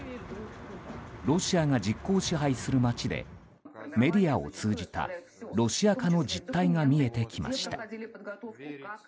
ロシアが実効支配する街でメディアを通じたロシア化の実態が見えてきました。